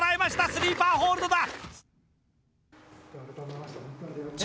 スリーパーホールドだ。